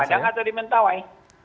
di padang atau di mentawai